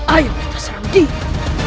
ayam itu seram dia